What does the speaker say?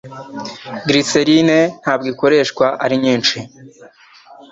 Glycerine ntabwo ikoreshwa ari nyinshi.